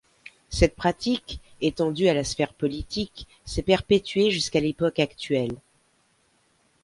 Cette pratique, étendue à la sphère politique, s'est perpétuée jusqu'à l'époque actuelle.